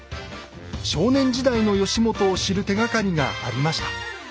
少年時代の義元を知る手がかりがありました。